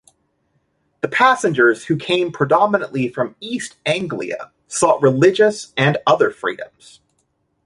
The passengers who came predominantly from East Anglia sought religious and other freedoms.